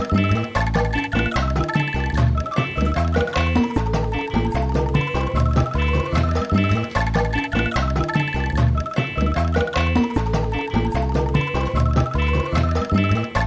bisa kena ganti